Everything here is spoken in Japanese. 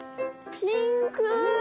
ピンク。